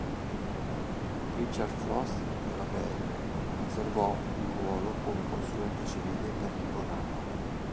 Richard Frost della Bell conservò un ruolo come consulente civile per il programma.